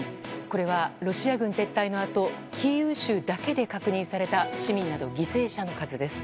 これは、ロシア軍撤退のあとキーウ州だけで確認された市民など犠牲者の数です。